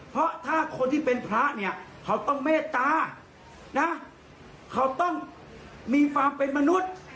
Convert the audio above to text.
เพราะถ้าคนที่เป็นพระเนี่ยเขาต้องเมตตานะเขาต้องมีความเป็นมนุษย์